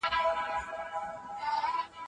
که يو کس ځان مسلمان معرفي کاوه او لمونځ ئې نه کاوه